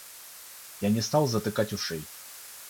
Я не стал затыкать ушей.